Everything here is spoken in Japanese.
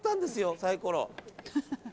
サイコロ。